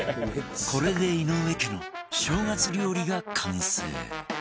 これで井上家の正月料理が完成